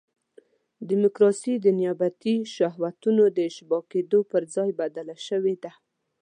ډیموکراسي د نیابتي شهوتونو د اشباع کېدو پر ځای بدله شوې ده.